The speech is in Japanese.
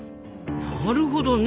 なるほどね。